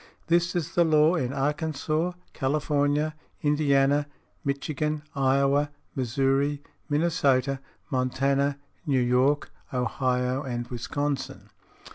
This is the law in Arkansas, California, Indiana, Michigan, Iowa, Missouri, Minnesota, Montana, New York, Ohio and Wisconsin.